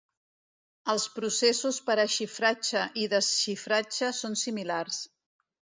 Els processos per a xifratge i desxifratge són similars.